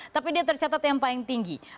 tapi dia tercatat yang paling tinggi